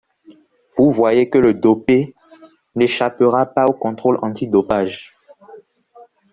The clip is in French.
Vous voyez que le dopé n’échappera pas au contrôle antidopage.